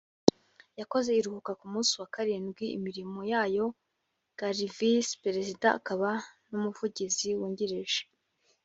yakoze iruhuka ku munsi wa karindwi imirimo yayol gal visi perezida akaba n umuvugizi wungirije